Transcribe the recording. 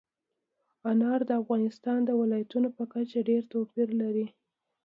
انار د افغانستان د ولایاتو په کچه ډېر توپیر لري.